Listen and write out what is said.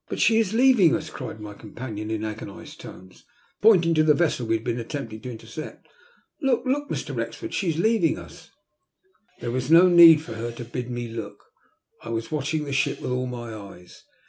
''She is leaving us," cried my companion, in agonized tones, pointing to the vessel we had been attempting to intercept. '' Look, look, Mr. Wrexford, she is leaving us 1 " There was no need for her to bid me look, I was watching the ship with all my eyes.